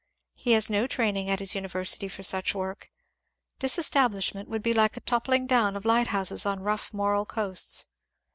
He has no training at his uni versity for such work. Disestablishment would be like a top pling down of lighthouses on rough moral coasts.